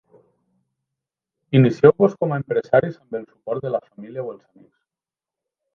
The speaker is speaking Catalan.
Inicieu-vos com a empresaris amb el suport de la família o els amics.